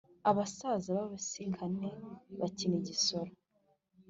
Abasaza babisikane bakina igisoro